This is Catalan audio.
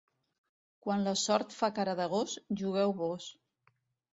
Quan la sort fa cara de gos, jugueu vós.